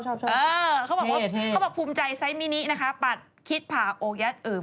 เขาบอกว่าเขาบอกภูมิใจไซส์มินินะคะปัดคิดผ่าโอยัดอึม